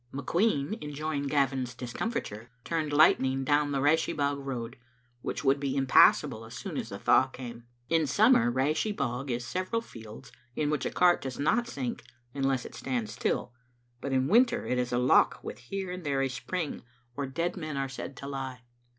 McQueen, enjoying Gavin's discomfiture, turned Lightning down the Rashie bog road, which would be impassable as soon as the thaw came. In summer Rashie bog is several fields in which a cart does not sink unless it stands still, but in winter it is a loch with here and there a spring where dead men are said to lie.